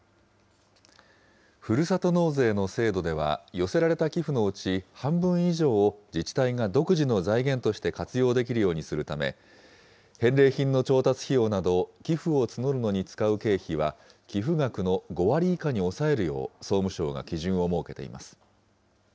ふるさと納税の制度では、寄せられた寄付のうち、半分以上を自治体が独自の財源として活用できるようにするため、返礼品の調達費用など寄付を募るのに使う経費は寄付額の５割以下に抑えるよう、総務省が基準を設けています。